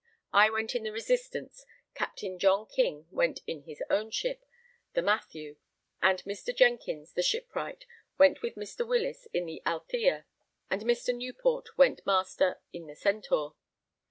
I went in the Resistance, Captain John King went in his own ship, the Mathew, and Mr. Jenkins the shipwright went with Mr. Wills in the Althea, and Mr. Newport went master in the Centaur.